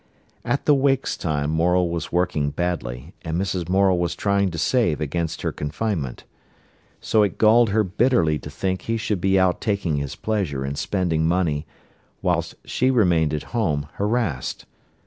At the wakes time Morel was working badly, and Mrs. Morel was trying to save against her confinement. So it galled her bitterly to think he should be out taking his pleasure and spending money, whilst she remained at home, harassed.